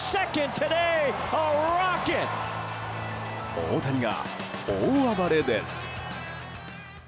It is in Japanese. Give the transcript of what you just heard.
大谷が大暴れです。